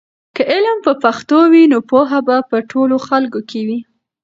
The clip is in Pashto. که علم په پښتو وي نو پوهه به په ټولو خلکو کې وي.